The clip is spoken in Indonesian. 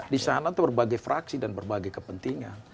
di sana itu berbagai fraksi dan berbagai kepentingan